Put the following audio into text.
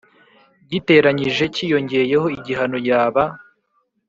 giteranyije cyiyongeyeho igihano yaba